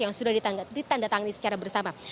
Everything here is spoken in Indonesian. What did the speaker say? yang sudah ditandatangani secara bersama